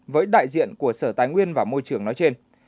với đại diện của sở tài nguyên và môi trường nói trên